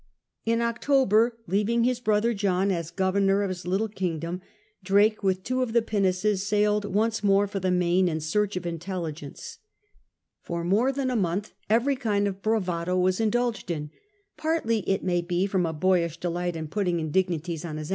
In October, leaving his brother John as governor of his little kingdom, Drake with two of the pinnaces sailed once more for the Main in search of intelligence. For D 34 SIR FRANCIS DRAKE chap. more than a month every kind of bravado was indulged in, partly, it may be, from a boyish delight in putting indignities on his